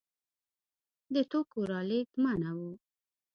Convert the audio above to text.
د توکو رالېږد منع و.